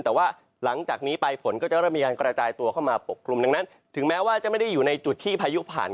แต่ว่าหลังจากนี้ไปฝนก็จะเริ่มมีการกระจายตัวเข้ามาปกกลุ่มดังนั้นถึงแม้ว่าจะไม่ได้อยู่ในจุดที่พายุผ่าน